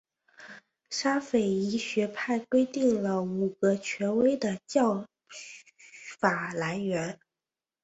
沙斐仪学派规定了五个权威的教法来源。